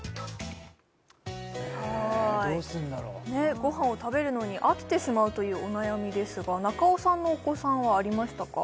ご飯を食べるのに飽きてしまうというお悩みですが中尾さんのお子さんはありましたか？